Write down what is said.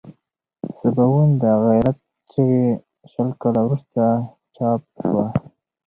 سباوون د غیرت چغې شل کاله وروسته چاپ شوه.